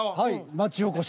町おこし。